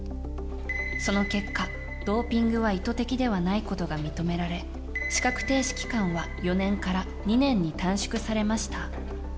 その結果、ドーピングは意図的ではないことが認められ、資格停止期間は４年から２年に短縮されました。